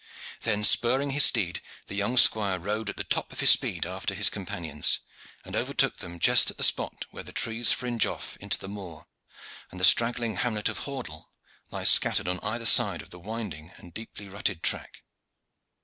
Then, spurring his steed, the young squire rode at the top of his speed after his companions, and overtook them just at the spot where the trees fringe off into the moor and the straggling hamlet of Hordle lies scattered on either side of the winding and deeply rutted track.